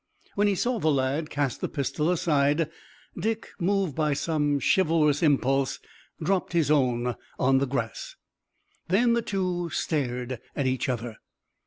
When he saw the lad cast the pistol aside Dick, moved by some chivalrous impulse, dropped his own in the grass. Then the two stared at each other.